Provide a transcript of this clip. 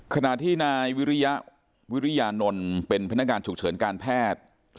ขณะที่นายวิริยวิริยานนท์เป็นพนักงานฉุกเฉินการแพทย์